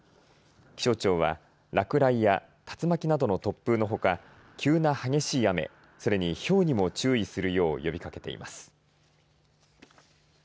気象庁は落雷や竜巻などの突風のほか、急な激しい雨、それに、ひょうにも注意するよう呼びかけています。